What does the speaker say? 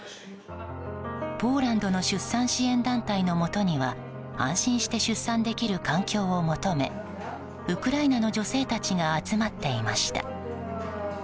ポーランドの出産支援団体のもとには安心して出産できる環境を求めウクライナの女性たちが集まっていました。